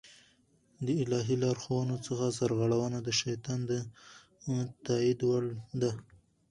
د الهي لارښوونو څخه سرغړونه د شيطان د تائيد وړ ده